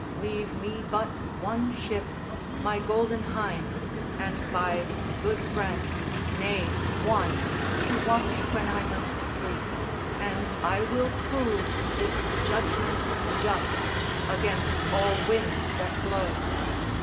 Leave me but one ship, My Golden Hynde, and five good friends, nay one, To watch when I must sleep, and I will prove This judgment just against all winds that blow.